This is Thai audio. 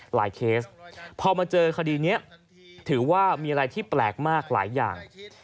เคสพมาเจอคดีนี้ถือว่ามีอะไรที่แปลกมากหลายอย่าง